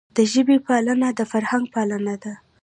د ژبي پالنه د فرهنګ پالنه ده.